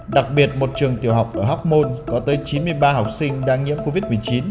đặc biệt một trường tiểu học ở hoc mon có tới chín mươi ba học sinh đang nhiễm covid một mươi chín